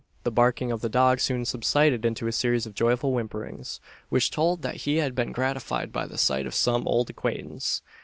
The barking of the dog soon subsided into a series of joyful whimperings, which told that he had been gratified by the sight of some old acquaintance.